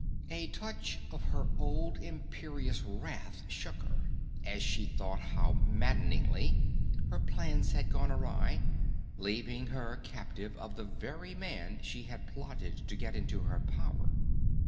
A touch of her old imperious wrath shook her, as she thought how maddeningly her plans had gone awry, leaving her captive of the very man she had plotted to get into her power.